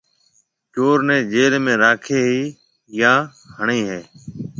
چور نَي جيل ۾ راکيَ هيَ يان هڻيَ هيَ۔